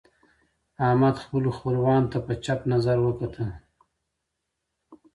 احمد خپلو خپلوانو ته په چپ نظر وکتل.